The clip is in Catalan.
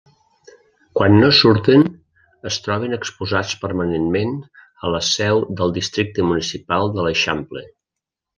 Quan no surten, es troben exposats permanentment a la seu del Districte Municipal de l'Eixample.